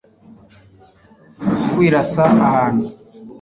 kwirasa ahantu